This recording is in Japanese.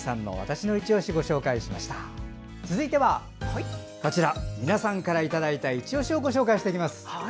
続いては、皆さんからいただいたいちオシをご紹介していきます。